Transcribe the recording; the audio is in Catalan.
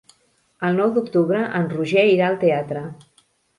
El nou d'octubre en Roger irà al teatre.